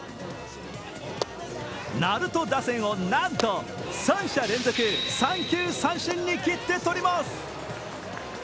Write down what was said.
鳴門打線をなんと３者連続３球三振に切ってとります。